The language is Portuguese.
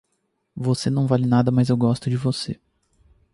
Você não vale nada, mas eu gosto de você